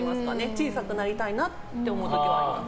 小さくなりたいなって思う時はあります。